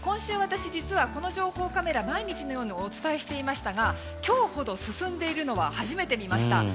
私、実は今週この情報カメラで毎日のようにお伝えしていましたが今日ほど進んでいるのは初めて見ました。